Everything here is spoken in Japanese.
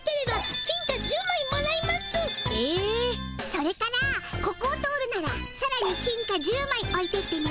それからここを通るならさらに金貨１０まいおいてってね。